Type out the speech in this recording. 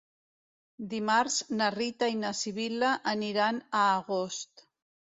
Dimarts na Rita i na Sibil·la aniran a Agost.